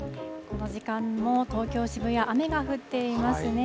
この時間も東京・渋谷、雨が降っていますね。